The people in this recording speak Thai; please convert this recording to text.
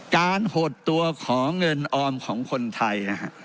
การหดตัวของเงินออมของคนไทย